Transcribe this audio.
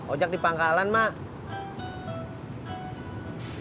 ojek di pangkalan mak